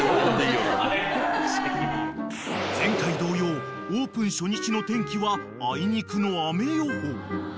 ［前回同様オープン初日の天気はあいにくの雨予報］